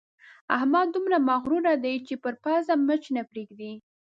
احمد دومره مغروره دی چې پر پزه مچ نه پرېږدي.